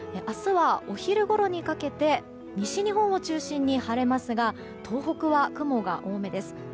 明日はお昼ごろにかけて西日本を中心に晴れますが東北は雲が多めです。